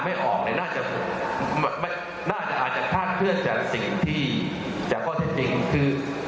เห็นเลือกตั้งหมดแล้วก็